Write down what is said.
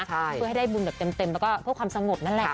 เพื่อให้ได้บุญแบบเต็มแล้วก็เพื่อความสงบนั่นแหละ